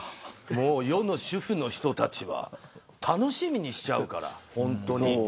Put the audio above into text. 世の主婦の人たちは楽しみにしちゃうから。